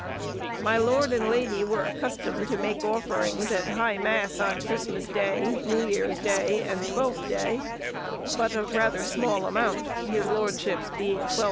My lord and lady were accustomed to make offerings at high mass on Christmas Day, New Year's Day, and Twelfth Day; but of rather small amount, his lordship's being 12_d.